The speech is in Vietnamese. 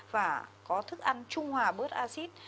và có thức ăn trung hòa bớt acid